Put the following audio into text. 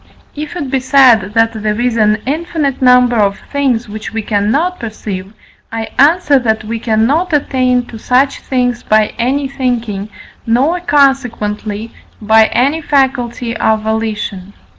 If it be said that there is an infinite number of things which we cannot perceive, I answer, that we cannot attain to such things by any thinking, nor, consequently, by any faculty of volition.